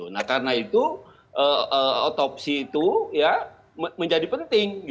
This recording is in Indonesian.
nah karena itu otopsi itu menjadi penting